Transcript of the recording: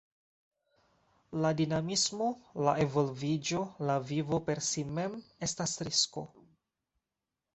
La dinamismo, la elvolviĝo, la vivo per si mem estas risko.